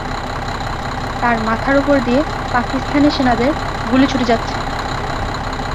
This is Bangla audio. তার মাথার ওপর দিয়ে পাকিস্তানি সেনাদের গুলি ছুটে যাচ্ছে।